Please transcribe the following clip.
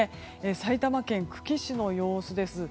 埼玉県久喜市の様子です。